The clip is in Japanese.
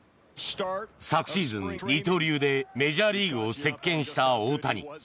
昨シーズン、二刀流でメジャーリーグを席巻した大谷。